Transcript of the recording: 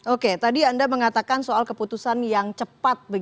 oke tadi anda mengatakan soal keputusan yang cepat